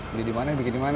jadi dimana bikin dimana